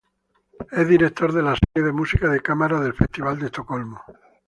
Es director de las series de música de cámara del Festival de Estocolmo.